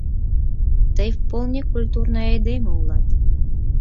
Тый вполне культурный айдеме улат.